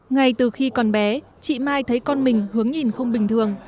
ngay từ khi còn bé chị mai thấy con mình hướng nhìn không bình thường